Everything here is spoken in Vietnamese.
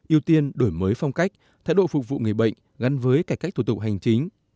ưu tiên đổi mới phong cách thái độ phục vụ người bệnh gắn với cải cách thủ tục hành chính